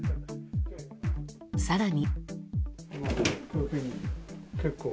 更に。